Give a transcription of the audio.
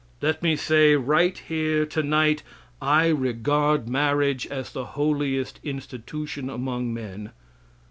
Let me say right here, tonight, I regard marriage as the holiest institution among men.